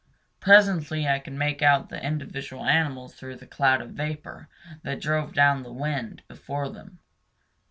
Presently I could make out the individual animals through the cloud of vapor that drove down the wind before them.